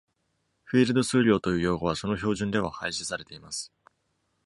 「フィールド数量」という用語は、その標準では廃止されています。